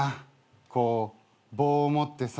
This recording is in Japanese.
こう棒を持ってさ。